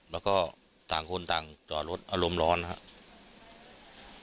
แล้วก็ต่างคนต่างจอดรถอารมณ์ร้อนนะครับ